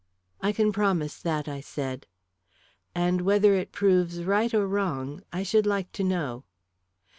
"I can promise that," I said. "And whether it proves right or wrong, I should like to know."